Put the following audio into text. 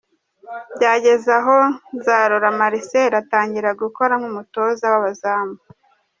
Byageze aho Nzarora Marcel atangira gukora nk'umutoza w'abazamu.